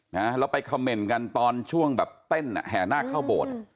นะฮะแล้วไปคอมเมนต์กันตอนช่วงแบบเต้นแห่นาคเข้าโบสถ์